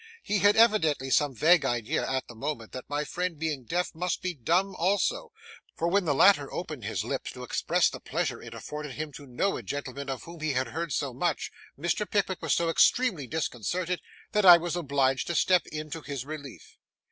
He had evidently some vague idea, at the moment, that my friend being deaf must be dumb also; for when the latter opened his lips to express the pleasure it afforded him to know a gentleman of whom he had heard so much, Mr. Pickwick was so extremely disconcerted, that I was obliged to step in to his relief.